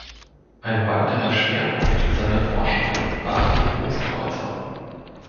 Ein weiterer Schwerpunkt seiner Forschungen waren die Rosenkreuzer.